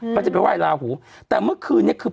เขาจะไปไห้ลาหูแต่เมื่อคืนนี้คือ